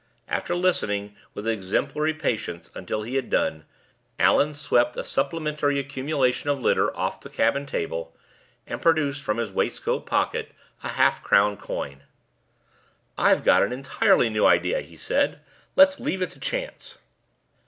After listening with exemplary patience until he had done, Allan swept a supplementary accumulation of litter off the cabin table, and produced from his waistcoat pocket a half crown coin. "I've got an entirely new idea," he said. "Let's leave it to chance."